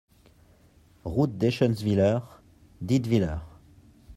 Route d'Eschentzwiller, Dietwiller